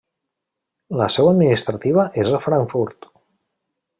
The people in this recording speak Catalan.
La seu administrativa és a Frankfurt.